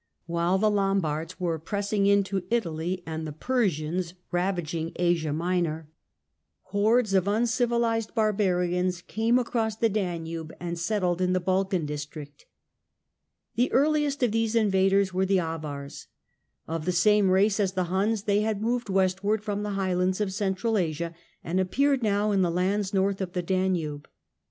While the Lombards were; pressing into Italy and the Persians ravaging Asia Minor, JUSTINIAN 63 hordes of uncivilised barbarians came across the Danube and settled in the Balkan district. The earliest if these invaders were the Avars. Of the same race as :he Huns, they had moved westward from the high ands of Central Asia, and appeared now in the lands lorth of the Danube.